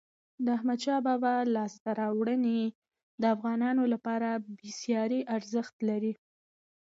د احمد شاه بابا لاسته راوړني د افغانانو لپاره بېساری ارزښت لري.